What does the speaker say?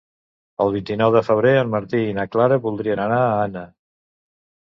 El vint-i-nou de febrer en Martí i na Clara voldrien anar a Anna.